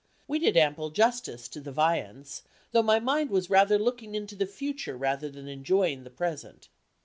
We did ample justice to the viands, though my mind was rather looking into the future than enjoying the present.